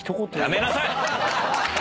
やめなさい！